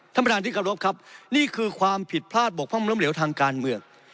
ท่านประธานที่เคารพครับนี่คือความผิดพลาดบกพร่องล้มเหลวทางการเมือง